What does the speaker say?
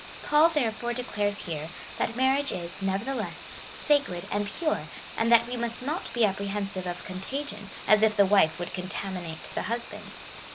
Paul therefore declai'es here, that marriage is, nevertheless, sacred and pure, and that we must not be apprehensive of contagion, as if the wife would contaminate the husband.